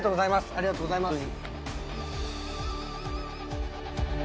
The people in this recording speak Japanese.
ありがとうございます。